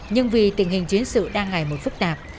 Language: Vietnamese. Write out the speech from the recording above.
nhưng vì tình hình chiến sự đang ngày một phức tạp